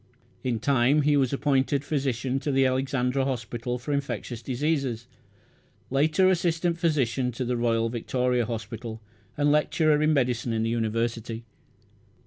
In time he was appointed physician to the Alexandra Hospital for infectious diseases; later assistant physician to the Royal Victoria Hospital, and lecturer in medicine in the University.